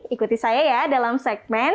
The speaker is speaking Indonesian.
ikuti saya ya dalam segmen